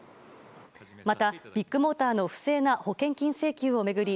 また、ビッグモーターの不正な保険金請求を巡り